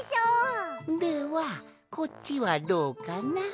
ではこっちはどうかな？